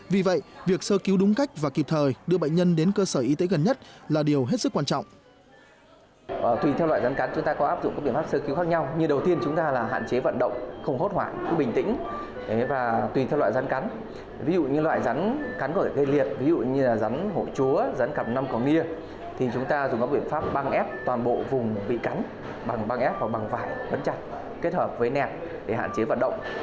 vì vậy việc sơ cứu đúng cách và kịp thời đưa bệnh nhân đến cơ sở y tế gần nhất là điều hết sức quan trọng